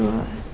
saya permisi pak